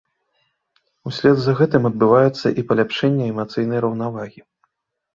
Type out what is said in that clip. Услед за гэтым адбываецца і паляпшэнне эмацыйнай раўнавагі.